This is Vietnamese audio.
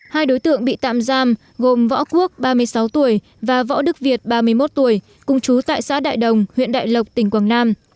hai đối tượng bị tạm giam gồm võ quốc ba mươi sáu tuổi và võ đức việt ba mươi một tuổi cùng chú tại xã đại đồng huyện đại lộc tỉnh quảng nam